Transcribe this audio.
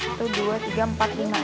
itu dua tiga empat lima